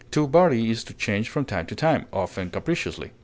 To vary is to change from time to time, often capriciously.